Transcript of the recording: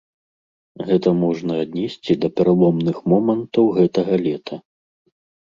Гэта можна аднесці да пераломных момантаў гэтага лета.